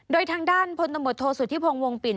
โดยทางด้านพตโศทิพงวงปิน